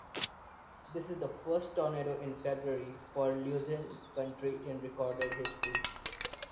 This is the first tornado in February for Luzerne County in recorded history.